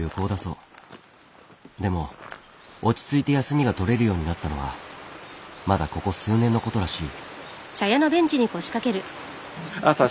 でも落ち着いて休みが取れるようになったのはまだここ数年のことらしい。